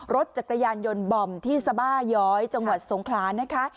รถจักรยานยนต์บอมที่สบาย้อยจังหวัดสงครานะคะ